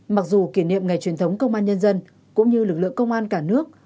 mặc dù kỷ niệm ngày truyền thống công an nhân dân cũng như lực lượng công an cả nước